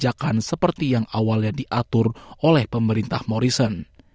dan kebijakan seperti yang awalnya diatur oleh pemerintah morrison